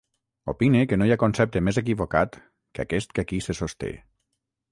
Opine que no hi ha concepte més equivocat que aquest que aquí se sosté.